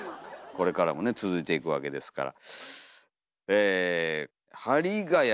これからもね続いていくわけですから。